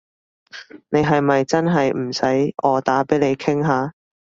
你係咪真係唔使我打畀你傾下？